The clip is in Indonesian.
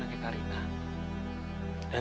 aku harus tidak